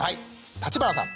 立花さん。